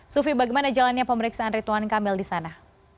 sufi bagaimana jalannya pemeriksaan ridwan kamil disana